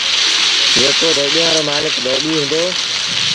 جيڪو ڌوٻيآݩ رو مآلڪ ڌوٻيٚ هُݩدو۔